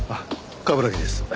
冠城です。